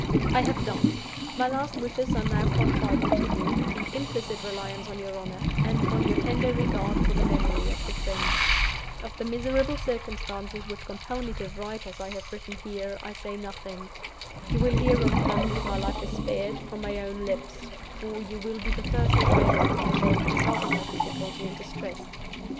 "I have done. My last wishes are now confided to you, in implicit reliance on your honor, and on your tender regard for the memory of your friend. Of the miserable circumstances which compel me to write as I have written here, I say nothing. You will hear of them, if my life is spared, from my own lips—for you will be the first friend whom I shall consult in my difficulty and distress.